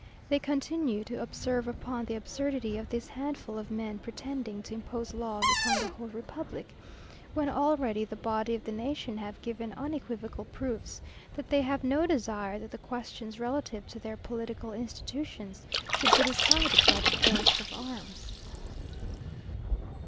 They continue to observe upon the absurdity of this handful of men pretending to impose laws upon the whole republic, when already the body of the nation have given unequivocal proofs that they have no desire that the questions relative to their political institutions should be decided by the force of arms.